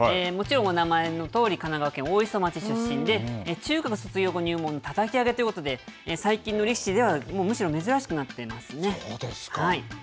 もちろんお名前のとおり神奈川県大磯町出身で中学の卒業後入門たたき上げということで最近の力士ではむしろ珍しくなってますね。